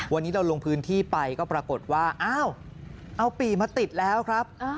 วันนี้เราลงพื้นที่ไปก็ปรากฏว่าอ้าวเอาปี่มาติดแล้วครับ